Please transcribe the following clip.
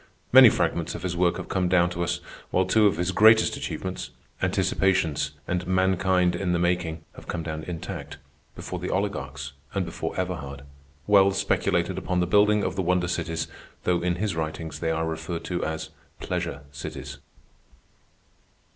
Many fragments of his work have come down to us, while two of his greatest achievements, "Anticipations" and "Mankind in the Making," have come down intact. Before the oligarchs, and before Everhard, Wells speculated upon the building of the wonder cities, though in his writings they are referred to as "pleasure cities."